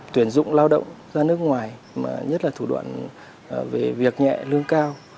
tuyển dụng lao động ra nước ngoài mà nhất là thủ đoạn về việc nhẹ lương cao